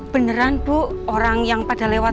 beneran bu orang yang pada lewat